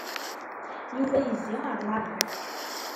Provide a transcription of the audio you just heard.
Yuba yezzi ar Mary.